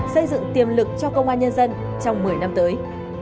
xây dựng tiềm lực cho công an nhân dân trong một mươi năm tới